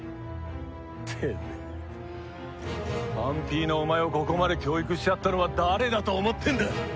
てめえパンピーのお前をここまで教育してやったのは誰だと思ってんだ！？